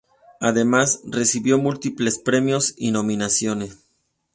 Además, recibió múltiples premios y nominaciones.